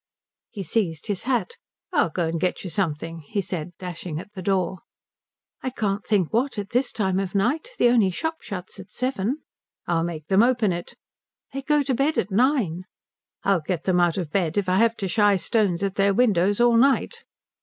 He seized his hat. "I'll go and get you something," he said, dashing at the door. "I can't think what, at this time of the night. The only shop shuts at seven." "I'll make them open it." "They go to bed at nine." "I'll get them out of bed if I have to shie stones at their windows all night."